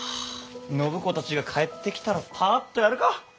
暢子たちが帰ってきたらパーッとやるか！